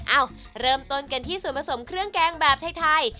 เอ้าเริ่มต้นกันที่ส่วนผสมเครื่องแกงแบบไทย